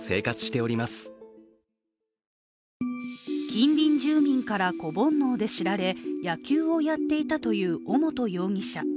近隣住民から子ぼんのうで知られ野球をやっていたという尾本容疑者。